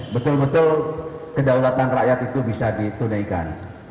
betul betul kedaulatan rakyat itu bisa ditunaikan